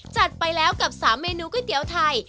จัดไปแล้วกับ๓เมนูก๋วยเตี๋ยวไทย